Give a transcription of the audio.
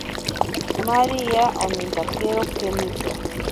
Maríya onintakero kemito.